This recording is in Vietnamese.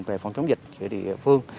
về phòng chống dịch của địa phương